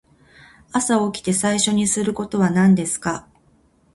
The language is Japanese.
朝起きて最初にすることは何ですか。